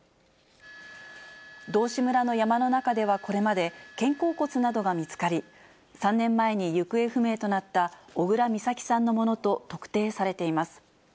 道志村の山の中ではこれまで、肩甲骨などが見つかり、３年前に行方不明となった小倉美咲さんのものと特定されています。